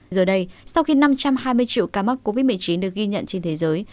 giờ đây sau khi năm trăm hai mươi triệu ca mắc covid một mươi chín được ghi nhận trên thế giới